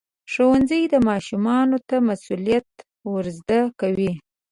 ښوونځی ماشومانو ته مسؤلیت ورزده کوي.